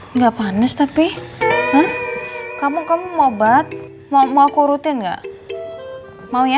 enggak panas tapi kamu kamu mau bat mau aku rutin enggak maunya